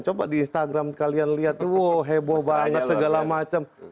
coba di instagram kalian lihat hebo banget segala macam